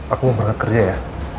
aku mau kerja ya